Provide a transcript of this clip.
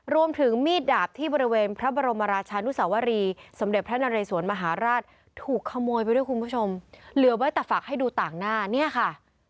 รวมถึงมีดดาบที่บริเวณพระบรมราชานุสวรีสมเด็จพระนเรสวนมหาราชถูกขโมยไปด้วยคุณผู้ชมเหลือไว้แต่ฝากให้ดูต่างหน้าเนี่ยค่ะ